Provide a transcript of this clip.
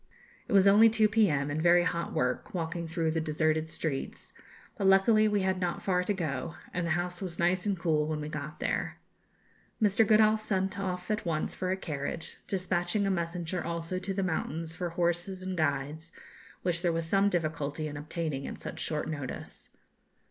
It was only 2 p.m., and very hot work, walking through the deserted streets, but luckily we had not far to go, and the house was nice and cool when we got there. Mr. Goodall sent off at once for a carriage, despatching a messenger also to the mountains for horses and guides, which there was some difficulty in obtaining at such short notice.